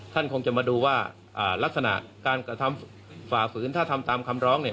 ท่านคงจะมาดูว่าลักษณะการกระทำฝ่าฝืนถ้าทำตามคำร้องเนี่ย